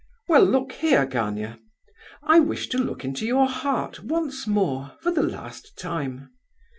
"Well, look here, Gania. I wish to look into your heart once more, for the last time.